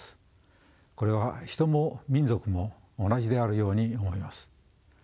これは人も民族も同じであるように思います。